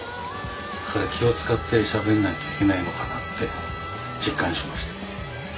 だから気を遣ってしゃべんないといけないのかなって実感しました。